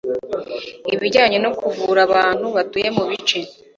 ibijyanye no kuvura abantu batuye mu bice